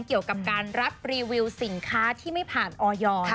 เกี่ยวกับการรับรีวิวสินค้าที่ไม่ผ่านออย